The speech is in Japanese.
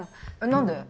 何で？